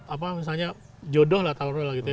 apa misalnya jodoh lah tahun tahun